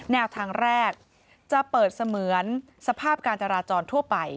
แนวทางแรกจะเปิดเสมือนสภาพการจราจรทั่วไป